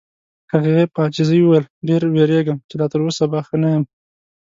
هغې په عاجزۍ وویل: ډېر وېریږم چې لا تر اوسه به ښه نه یم.